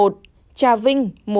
một trà vinh